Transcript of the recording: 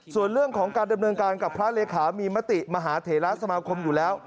ส่วนเรื่องของการดำเนินการกับพระเลขามีมติมหาเถระสมาคมอยู่แล้ว